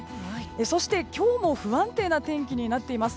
そして、今日も不安定な天気になっています。